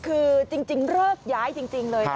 คือจริงเริ่มย้ายจริงเลยค่ะ